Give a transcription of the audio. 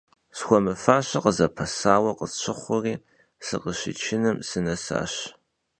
Схуэмыфащэ къызапэсауэ къысщыхъури, сыкъыщичыным сынэсащ.